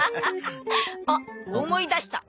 あっ思い出した。